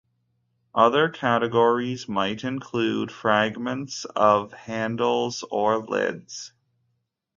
Other categories might include fragments of handles or lids.